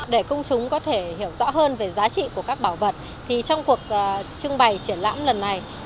để công chúng có thể hiểu rõ hơn về giá trị của các bảo vật trong cuộc trưng bày triển lãm lần này